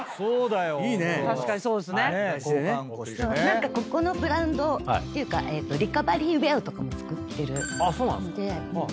何かここのブランドっていうかリカバリーウエアとかも作ってるので。